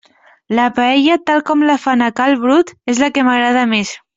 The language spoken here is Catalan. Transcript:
La paella tal com la fan a cal Brut és la que m'agrada més.